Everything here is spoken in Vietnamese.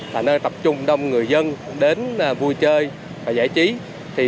là nơi tập trung đông người dân đến vui chơi và giải trí